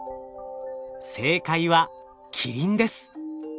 正解はキリンです。